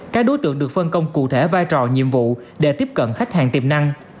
các đối tượng được phân công cụ thể vai trò nhiệm vụ để tiếp cận khách hàng tiềm năng